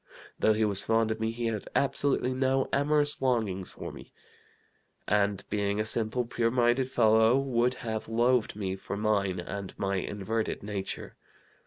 Though he was fond of me, he had absolutely no amorous longings for me, and being a simple, pure minded fellow, would have loathed me for mine and my inverted nature.